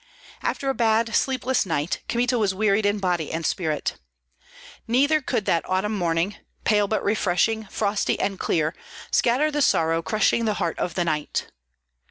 After a bad sleepless night, Kmita was wearied in body and spirit. Neither could that autumn morning, pale but refreshing, frosty and clear, scatter the sorrow crushing the heart of the knight.